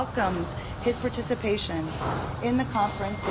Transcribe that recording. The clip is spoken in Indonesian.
kami mengucapkan terima kasih